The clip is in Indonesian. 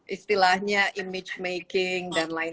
istilahnya image making dan lain